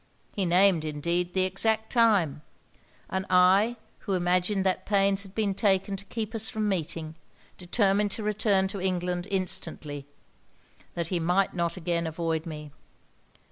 He named, indeed, the exact time; and I, who imagined that pains had been taken to keep us from meeting, determined to return to England instantly, that he might not again avoid me.